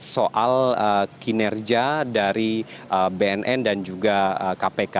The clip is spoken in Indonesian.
soal kinerja dari bnn dan juga kpk